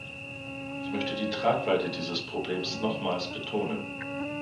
Ich möchte die Tragweite dieses Problems nochmals betonen.